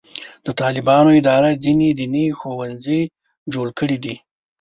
د طالبانو اداره ځینې دیني ښوونځي جوړ کړي دي.